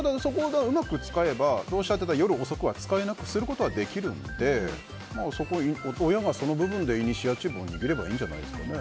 うまく使えばどうしたって夜遅くは使えなくすることはできるので親がその部分でイニシアチブを握ればいいんじゃないですかね。